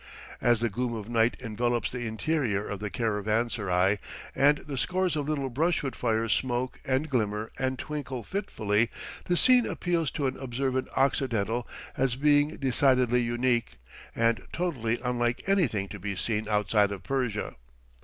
As the gloom of night envelopes the interior of the caravanserai, and the scores of little brushwood fires smoke and glimmer and twinkle fitfully, the scene appeals to an observant Occidental as being decidedly unique, and totally unlike anything to be seen outside of Persia.